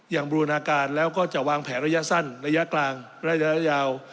บูรณาการแล้วก็จะวางแผนระยะสั้นระยะกลางระยะยาว